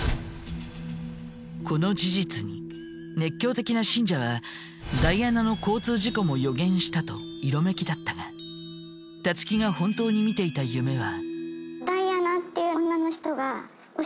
この事実に熱狂的な信者はダイアナの交通事故も予言したと色めきだったがたつきが本当に見ていた夢は。